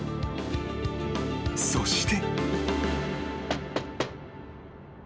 ［そして］